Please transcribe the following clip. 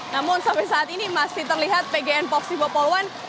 namun sampai saat ini masih terlihat pgn poxipopo satu